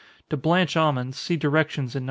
To blanch almonds, see directions in No.